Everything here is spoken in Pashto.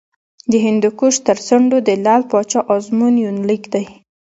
د هندوکش تر څنډو د لعل پاچا ازمون یونلیک دی